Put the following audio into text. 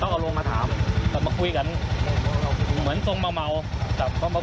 ต้องเอาร่องมาถามมาคุยกันเหมือนทรงเมา